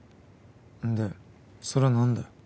でそれは何だよ。